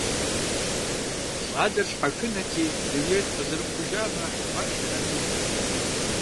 ЩӀалэр щхьэхынэти, дунейр къызэрыӀубэжамэ, баш къиӀэтынутэкъым.